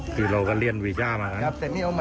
คือเราก็เรียนวิชามานะ